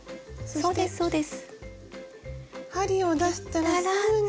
そうですそうです。